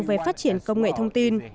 về phát triển công nghệ thông tin